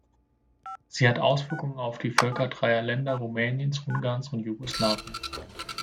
Sie hat Auswirkungen auf die Völker dreier Länder Rumäniens, Ungarns und Jugoslawiens.